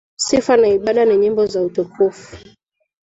Sifa na ibada ni nyimbo za utukufu.